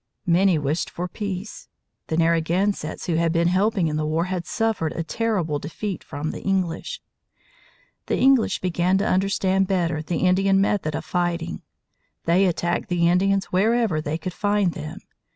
Many wished for peace. The Narragansetts who had been helping in the war had suffered a terrible defeat from the English. The English began to understand better the Indian method of fighting. They attacked the Indians wherever they could find them.